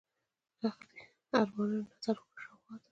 ښخ دي ارمانونه، نظر وکړه شاوخواته